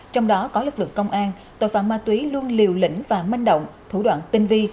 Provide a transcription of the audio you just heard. trong đó có lực lượng công an tội phạm ma túy luôn liều lĩnh và manh động thủ đoạn tinh vi